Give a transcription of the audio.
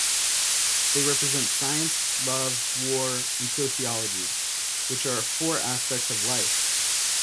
They represent science, love, war, and sociology, which are four aspects of life.